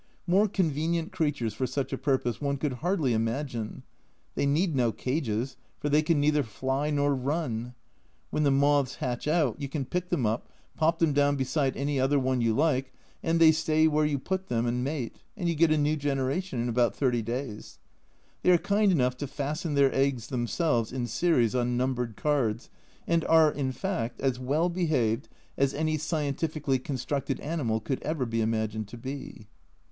More convenient creatures for such a purpose one could hardly imagine. They need no cages, for they can neither fly nor run ! When the moths hatch out you can pick them up, pop them down beside any other one you like, and they stay where you put them and mate, and you get a new generation in about thirty days. They are kind enough to fasten their eggs themselves in series on numbered cards, and are, in fact, as well behaved as any scientifically constructed animal could ever be imagined to be.